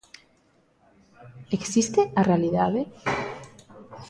Existe a realidade?